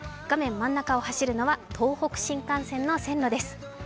画面真ん中を走るのは東北新幹線の線路です。